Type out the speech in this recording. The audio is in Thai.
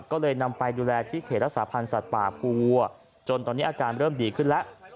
ก็เลยนำไปดูแลที่เขตรักษาพันธ์สัตว์ป่าภูวัวจนตอนนี้อาการเริ่มดีขึ้นแล้ว